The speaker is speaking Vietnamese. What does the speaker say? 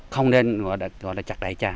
không nên gọi là chặt đại trà